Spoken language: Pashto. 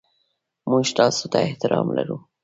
موږ تاسو ته احترام لرو.